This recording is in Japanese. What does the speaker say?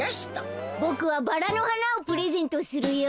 ボクはバラのはなをプレゼントするよ。